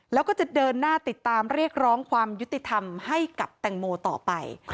แล้วก็จะเดินหน้าติดตามเรียกร้องความยุติธรรมให้กับแตงโมต่อไป